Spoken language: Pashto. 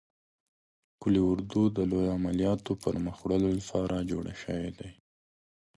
قول اردو د لوی عملیاتو د پرمخ وړلو لپاره جوړ شوی دی.